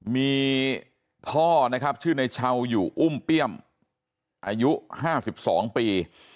มีพ่อชื่อนายเชาท์อยู่อุ้มเปี้ยมอายุ๕๒ปี